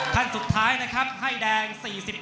ท่านสุดท้ายนะครับให้แดง๔๘